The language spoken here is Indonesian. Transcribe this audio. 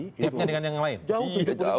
hanya dengan yang lain